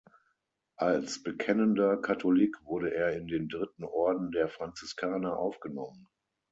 Als bekennender Katholik wurde er in den Dritten Orden der Franziskaner aufgenommen.